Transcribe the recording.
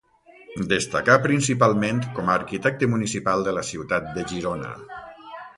Destacà principalment com a arquitecte municipal de la ciutat de Girona.